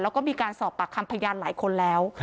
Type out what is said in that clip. แล้วก็มีการสอบปากคำพยานหลายคนแล้ว